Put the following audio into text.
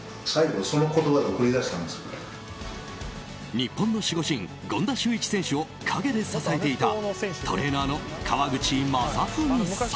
日本の守護神・権田修一選手を陰で支えていたトレーナーの河口正史さん。